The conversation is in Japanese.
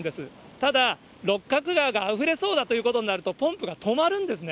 ただ、六角川があふれそうだということになると、ポンプが止まるんですね。